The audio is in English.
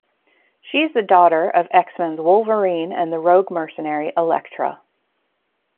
She is the daughter of the X-Men's Wolverine and the rogue mercenary Elektra.